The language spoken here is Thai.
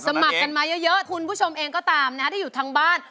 สมัครกันมาเยอะคุณผู้ชมเองก็ตามนะฮะที่อยู่ทางบ้าน